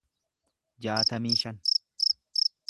jaatamii shan